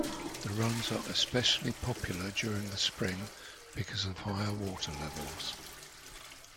The runs are especially popular during the spring because of higher water levels.